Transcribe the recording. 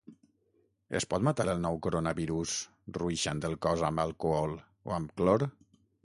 Es pot matar el nou coronavirus ruixant el cos amb alcohol o amb clor?